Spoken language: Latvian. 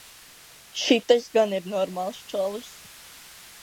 Šitas gan ir normāls čalis.